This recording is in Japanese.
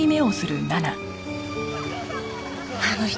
あの人